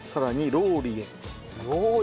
ローリエ。